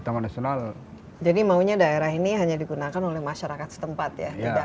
taman nasional jadi maunya daerah ini hanya digunakan oleh masyarakat setempat ya tidak